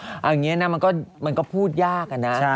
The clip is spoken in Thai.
อย่างนี้นะมันก็พูดยากนะอาจารย์